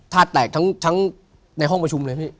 ถ้าดแตกทั้งในห้องประชุมเลย